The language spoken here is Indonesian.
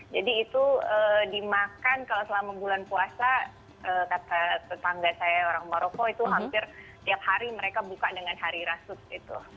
jadi itu dimakan kalau selama bulan puasa kata tetangga saya orang maroko itu hampir tiap hari mereka buka dengan harira sup gitu